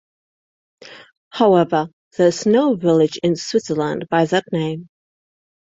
However, there is no village in Switzerland by that name.